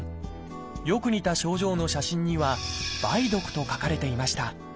よく似た症状の写真には「梅毒」と書かれていました。